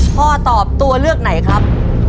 พ่อตอบตัวเลือกไหนครับ